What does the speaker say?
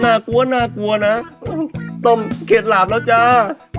น่ากลัวน่ากลัวนะต้มเข็ดหลาบแล้วจ้า